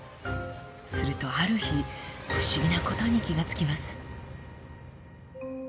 するとある日不思議なことに気が付きます。